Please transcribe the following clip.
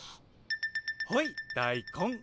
ほい大根。